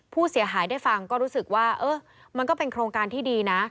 ผู้เสียหายได้ฟังก็รู้สึกว่าเออมันก็เป็นโครงการที่ดีนะ